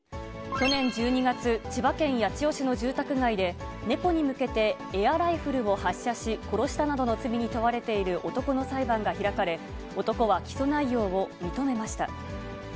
去年１２月、千葉県八千代市の住宅街で、猫に向けてエアライフルを発射し、殺したなどの罪に問われている男の裁判が開かれ、男は起訴内容を認めました。